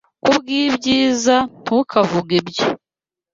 Kubwibyiza, ntukavuge ibyo!